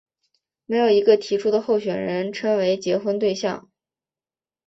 没有一个提出的候选人称为结婚对象。